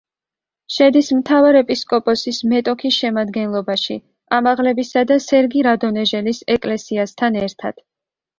შედის მთავარეპისკოპოსის მეტოქის შემადგენლობაში ამაღლებისა და სერგი რადონეჟელის ეკლესიასთან ერთად.